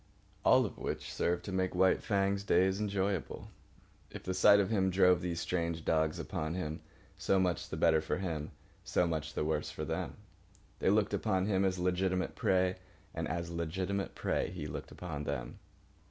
All of which served to make White Fang's days enjoyable. If the sight of him drove these strange dogs upon him, so much the better for him, so much the worse for them. They looked upon him as legitimate prey, and as legitimate prey he looked upon them.